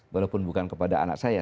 walaupun bukan kepada anak saya